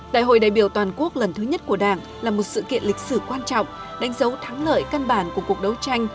đại hội đại biểu toàn quốc lần thứ nhất của đảng là một sự kiện lịch sử quan trọng đánh dấu thắng lợi căn bản của cuộc đấu tranh